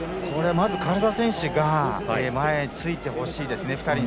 まず唐澤選手が前ついてほしいですね。